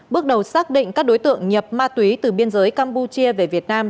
bước đầu xác định các đối tượng nhập ma túy từ biên giới campuchia về việt nam